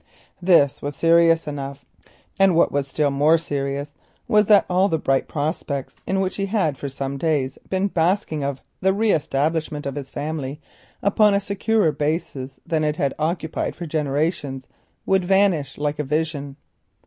This was serious enough, and still more serious was it that all the bright prospects in which he had for some days been basking of the re establishment of his family upon a securer basis than it had occupied for generations would vanish like a vision.